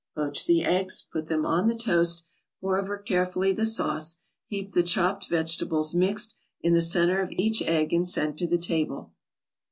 Poach the eggs, put them on the toast, pour over carefully the sauce, heap the chopped vegetables, mixed, in the center of each egg and send to the table.